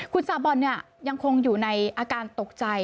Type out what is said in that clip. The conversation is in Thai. คุณซาบอลยังคงอยู่ในอาการตกใจ